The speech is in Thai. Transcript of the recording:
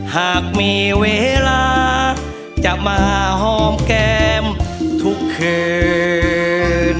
หากมีเวลาจะมาหอมแก้มทุกคืน